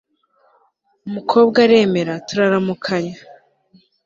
umukobwa aremera turaramukanya